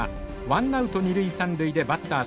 ワンナウト二塁三塁でバッター